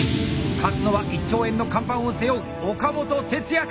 勝つのは１兆円の看板を背負う岡本哲也か。